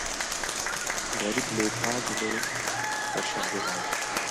غریب له پاک زړه خوشالي غواړي